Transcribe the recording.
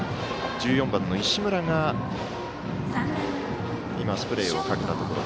１４番の石村がスプレーをかけたところ。